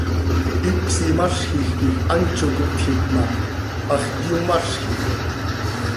Hicös imazjij quij hant zo cohtjiit ma, hax yomazjij oo.